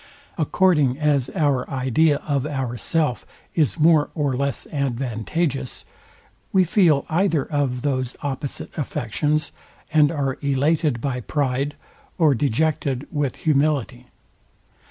According as our idea of ourself is more or less advantageous, we feel either of those opposite affections, and are elated by pride, or dejected with humility.